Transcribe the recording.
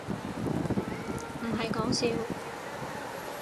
唔係講笑